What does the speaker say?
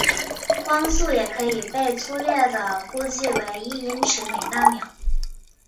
光速也可以被初略地估计为一英尺每纳秒。